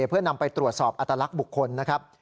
เพื่อนำไปตรวจสอบอัตลักษณ์บุคคลนะครับ